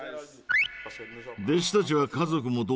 弟子たちは家族も同然さ。